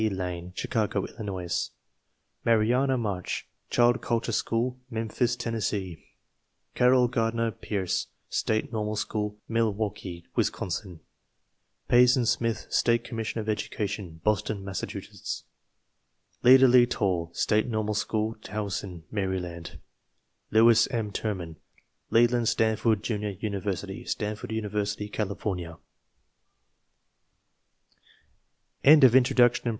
Lane, Chicago, Illinois Marianna March, Child Culture School, Memphis, Tennessee Carroll Gardner Pearse, State Normal School, Mil waukee, Wisconsin Payson Smith, State Commissioner of Education, Boston, Massachusetts Lida Lee Tall, State Normal School, Towson, Mary land Lewis M. Terman, Leland Stanford Junior University, Stanford University, California vui » J t ••»• w